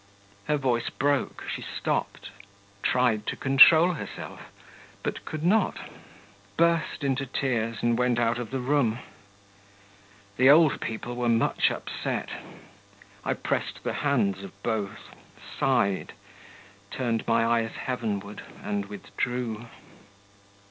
Her voice broke, she stopped ... tried to control herself, but could not, burst into tears, and went out of the room.... The old people were much upset.... I pressed the hands of both, sighed, turned my eyes heavenward, and withdrew.